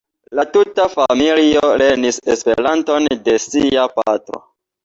La tuta familio lernis Esperanton de sia patro.